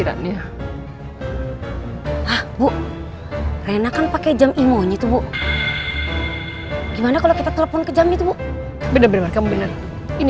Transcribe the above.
saya akan tetap di sini